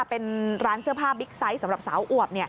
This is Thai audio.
เป็นร้านเสื้อผ้าบิ๊กไซต์สำหรับสาวอวบ